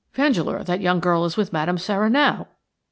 Vandeleur, that young girl is with Madame Sara now."